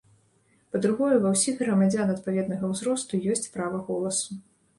Па-другое, ва ўсіх грамадзян адпаведнага ўзросту ёсць права голасу.